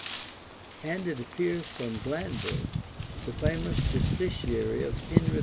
and it appears from Glanville,[] the famous justiciary of Henry II.